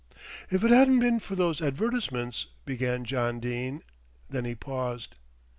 "If it hadn't been for those advertisements " began John Dene, then he paused.